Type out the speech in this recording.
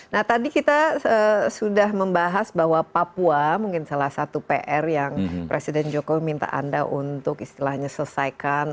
nah tadi kita sudah membahas bahwa papua mungkin salah satu pr yang presiden jokowi minta anda untuk istilahnya selesaikan